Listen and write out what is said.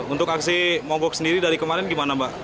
untuk aksi mobok sendiri dari kemarin gimana mbak